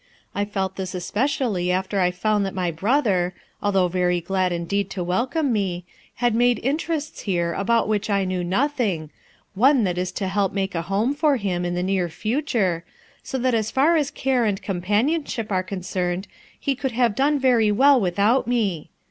I felt this especially after I founJ that ray brother, although very glad indeed to welcome me, had made interests here about which I knew nothing, one that b to help make a home for him in the near future, so that eo far as care and companionship are concerned he could have done very well without me.